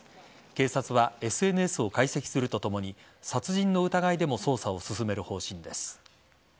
警察はＳＮＳを解析するとともに殺人の疑いでも捜査を進める方針です。